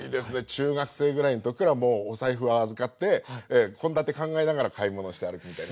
中学生ぐらいの時からもうお財布は預かって献立考えながら買い物して歩くみたいな。